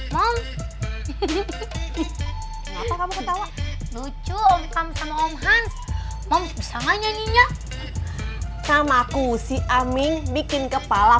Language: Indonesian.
mom apa kamu ketawa lucu om kamu sama om hans mom bisa nyanyinya sama aku si aming bikin kepala